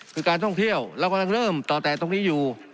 คือการท่องเที่ยวเรากำลังเริ่มต่อแต่ตรงนี้อยู่